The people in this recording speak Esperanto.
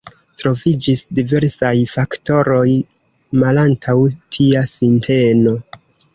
Troviĝis diversaj faktoroj malantaŭ tia sinteno.